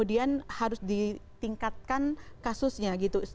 di sini sudah disampaikan sebagai hingga kini ada lima belas perusahaan yang diproses